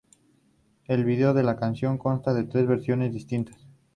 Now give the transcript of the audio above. El video de la canción consta de tres versiones distintas.